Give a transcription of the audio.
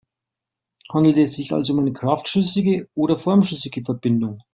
Handelt es sich also um eine kraftschlüssige oder formschlüssige Verbindung?